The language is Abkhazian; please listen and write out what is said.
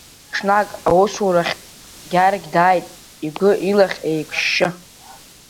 Ҽнак аусурахьтә Гьаргь дааит игәы-илахь еиқәышьшьы.